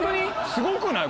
すごくない？